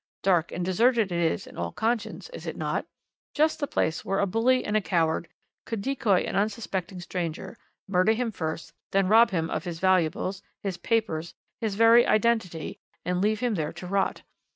Dark and deserted it is in all conscience, is it not? Just the place where a bully and a coward would decoy an unsuspecting stranger, murder him first, then rob him of his valuables, his papers, his very identity, and leave him there to rot.